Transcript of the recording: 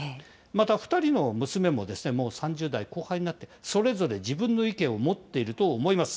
また２人の娘ももう３０代後半になって、それぞれ自分の意見を持っていると思います。